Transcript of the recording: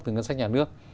từ ngân sách nhà nước